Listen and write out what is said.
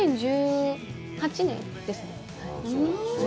２０１８年ですね。